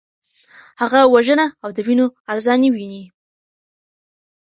هغه وژنه او د وینو ارزاني ویني.